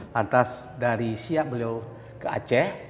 lantas dari siang beliau ke aceh